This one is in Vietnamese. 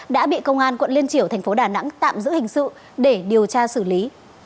đã bị công an quận liên triểu thành phố đà nẵng tạm giữ hình sự để điều tra xử lý